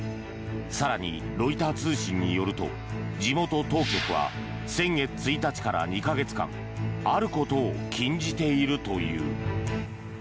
更に、ロイター通信によると地元当局は先月１日から２か月間あることを禁じているという。